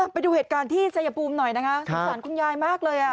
ไปดูเหตุการณ์ที่เซยบูมหน่อยนะครับสำคัญคุณยายมากเลยอ่ะ